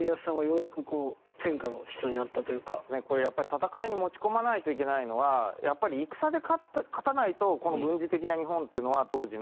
戦いに持ち込まないといけないのはやっぱり戦で勝たないとこの軍事的な日本というのは当時の。